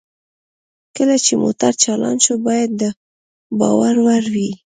کله چې موټر چالان شو باید د باور وړ وي